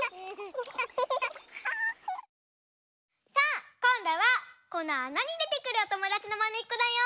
さあこんどはこのあなにでてくるおともだちのまねっこだよ！